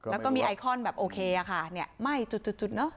แล้วก็มีไอคอนแบบโอเคค่ะไม่จุดเนอะ